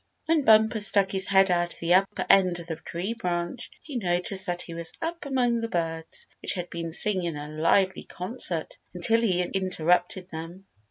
When Bumper stuck his head out of the upper end of the big tree branch, he noticed that he was up among the birds which had been singing a lively concert until he interrupted them.